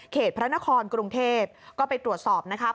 เขตพระนครกรุงเทพฯก็ไปตรวจสอบนะครับ